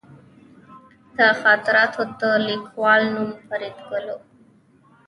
د خاطراتو د لیکوال نوم فریدګل و